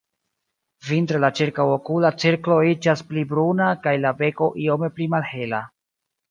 Vintre la ĉirkaŭokula cirklo iĝas pli bruna kaj la beko iome pli malhela.